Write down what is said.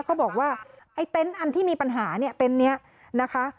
เขาบอกว่าไอ้เต็นต์อันที่มีปัญหาเนี่ยเต็นต์นี้นะคะ